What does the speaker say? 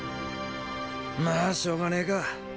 まァしょうがねェか。